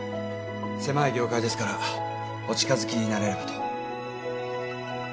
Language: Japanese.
狭い業界ですからお近づきになれればと。